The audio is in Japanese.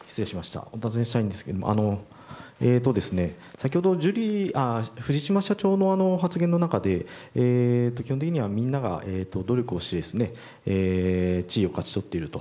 先ほど、藤島社長の発言の中で基本的にはみんなが努力をして地位を勝ち取っていると。